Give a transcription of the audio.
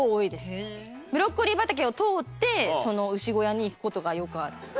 ブロッコリー畑を通ってその牛小屋に行く事がよくある。